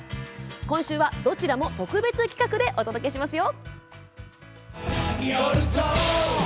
今週は、どちらも特別企画でお届けしますよ。